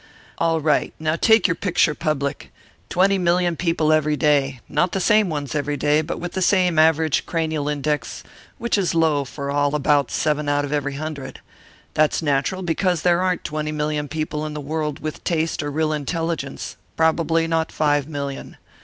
"All right. Now take your picture public. Twenty million people every day; not the same ones every day, but with same average cranial index, which is low for all but about seven out of every hundred. That's natural because there aren't twenty million people in the world with taste or real intelligence probably not five million.